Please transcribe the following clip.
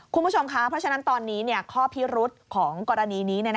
คุณผู้ชมคะเพราะฉะนั้นตอนนี้ข้อพิรุษของกรณีนี้